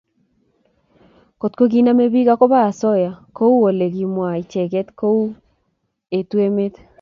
kotko kinamei piik akoba asoya kou ole kimwaa icheket ko etu emet